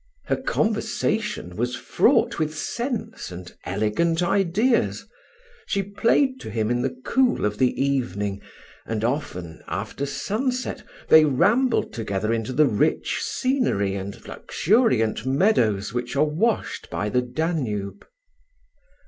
Her conversation was fraught with sense and elegant ideas. She played to him in the cool of the evening; and often, after sun set, they rambled together into the rich scenery and luxuriant meadows which are washed by the Danube.